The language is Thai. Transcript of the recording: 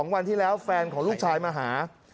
วันที่แล้วแฟนของลูกชายมาหา